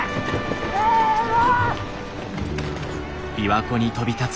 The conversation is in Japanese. せの。